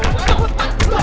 eh dengern lu ya